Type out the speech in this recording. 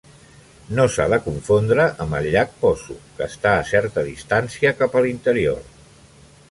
No s'ha de confondre amb el llac Poso, que està a certa distància cap a l'interior.